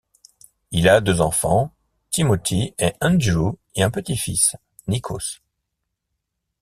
Il a deux enfants Timothy et Andrew et un petit-fils Nikos.